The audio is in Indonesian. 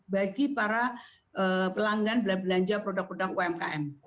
bagi para pelanggan belanja produk produk umkm